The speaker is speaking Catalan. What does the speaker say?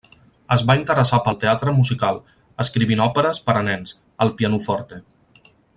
Es va interessar pel teatre musical, escrivint òperes per a nens, el pianoforte.